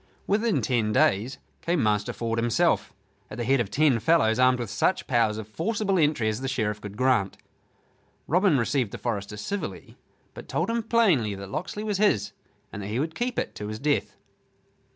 Within ten days came Master Ford himself, at the head of ten fellows, armed with such powers of forcible entry as the Sheriff could grant. Robin received the forester civilly, but told him plainly that Locksley was his and that he would keep it to his death.